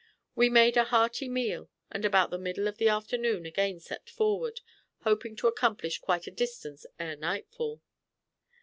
We made a hearty meal, and about the middle of the afternoon again set forward, hoping to accomplish quite a distance ere nightfall.